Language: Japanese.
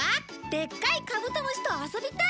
でっかいカブトムシと遊びたい！